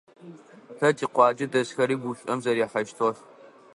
Тэ тикъуаджэ дэсхэри гушӀом зэрихьэщтыгъэх.